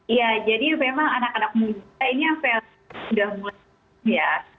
iya jadi memang anak anak muda ini apel sudah mulai ya